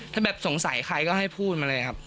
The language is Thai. ถ้าแบบสงสัยใครก็ให้พูดมาเลยครับ